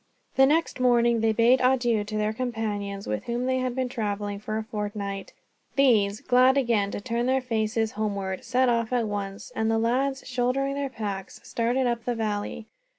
The next morning they bade adieu to their companions, with whom they had been traveling for a fortnight. These, glad again to turn their faces homeward, set off at once; and the lads, shouldering their packs, started up the valley.